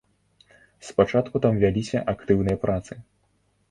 Спачатку там вяліся актыўныя працы.